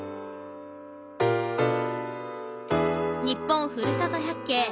「日本ふるさと百景」